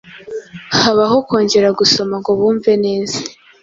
habaho kongera gusoma ngo bumve neza